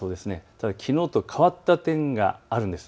ただきのうと変わった点があるんです。